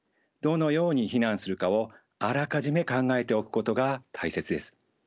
どのように避難するかをあらかじめ考えておくことが大切です。